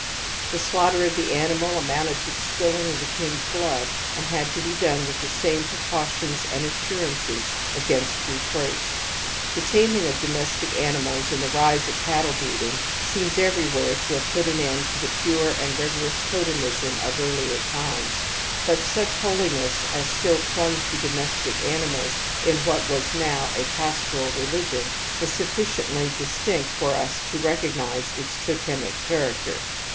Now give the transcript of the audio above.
The slaugh ter of the animal amounted to the spilfing oif the ""^il^s blood and had to be done with the same ^precautions" and"assnrances" against reproach. The taming of domestic animals and the rise \ of cattle breeding seems everywhere to haVe/ put an end to the pure and rigorous totemisnv of earliest times ^^. But such holiness as stiu clung to domestic animals in what was now a ' pastoral ' reUgion, is sufficiently distinct for us to recognize its totemic character.